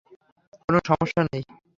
কোনও সমস্যা নেই!